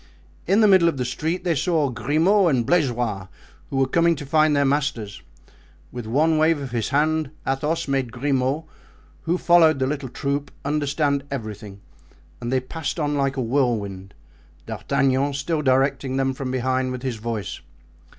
In the middle of the street they saw Grimaud and Blaisois, who were coming to find their masters. With one wave of his hand Athos made Grimaud, who followed the little troop, understand everything, and they passed on like a whirlwind, D'Artagnan still directing them from behind with his voice.